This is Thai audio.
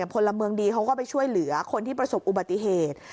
พลเมืองดีเขาก็ไปช่วยเหลือคนที่ประสบอุบัติเหตุ